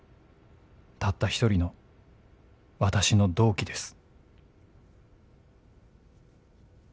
「たった一人の私の同期です」